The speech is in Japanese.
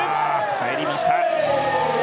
入りました。